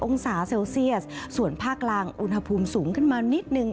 องศาเซลเซียสส่วนภาคกลางอุณหภูมิสูงขึ้นมานิดนึง